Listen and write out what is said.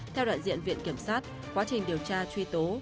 theo đại diện viện kiểm sát quá trình điều tra truy tố